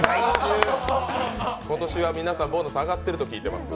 今年は皆さん、ボーナスが上がってると聞いてます。